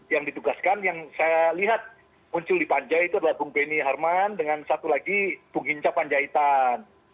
yang ditugaskan yang saya lihat muncul di panja itu adalah bung benny harman dengan satu lagi bung hinca panjaitan